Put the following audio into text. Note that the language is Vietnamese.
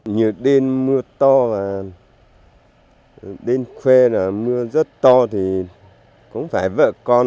nhiều đêm mưa to và đêm khuê là mưa rất to thì cũng phải vợ con